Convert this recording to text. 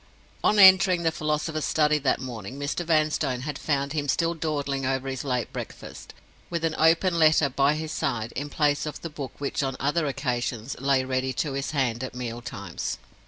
On entering the philosopher's study that morning, Mr. Vanstone had found him still dawdling over his late breakfast, with an open letter by his side, in place of the book which, on other occasions, lay ready to his hand at meal times.